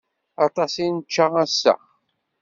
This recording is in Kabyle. Aṭas i nečča ass-a.